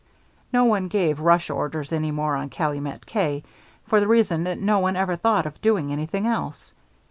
No one gave rush orders any more on Calumet K, for the reason that no one ever thought of doing anything else.